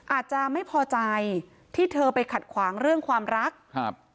อาจจะไม่พอใจที่เธอไปขัดขวางเรื่องความรักครับ